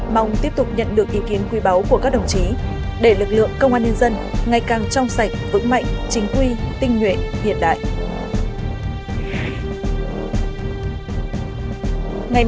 mong tiếp tục nhận được ý kiến quý báu của các đồng chí để lực lượng công an nhân dân ngày càng trong sạch vững mạnh chính quy tinh nguyện hiện đại